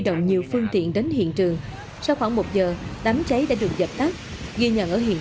động nhiều phương tiện đến hiện trường sau khoảng một giờ đám cháy đã được dập tắt ghi nhận ở hiện